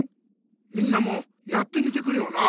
みんなもやってみてくれよな。